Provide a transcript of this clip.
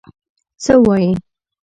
څه وایې؟